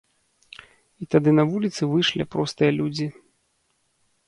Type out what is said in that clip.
І тады на вуліцы выйшлі простыя людзі.